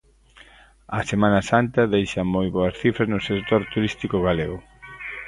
A Semana Santa deixa moi boas cifras no sector turístico galego.